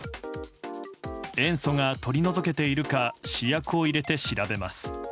塩素が取り除けているか試薬を入れて調べます。